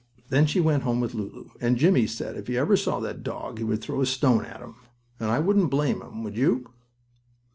Then she went home with Lulu, and Jimmie said if he ever saw that dog he would throw a stone at him, and I wouldn't blame him, would you?